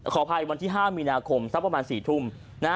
ขออภัยวันที่๕มีนาคมสักประมาณ๔ทุ่ม